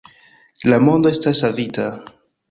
- La mondo estas savita